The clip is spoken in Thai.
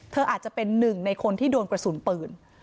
อาจจะเป็นหนึ่งในคนที่โดนกระสุนปืน